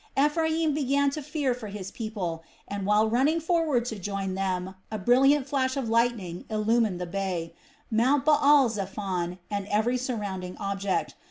Ephraim began to fear for his people and, while running forward to join them again, a brilliant flash of lightning illumined the bay, Mount Baal zephon, and every surrounding object.